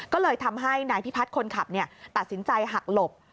ก็เลยทำให้นายพิพัฒน์คนขับตัดสินใจหักหลบ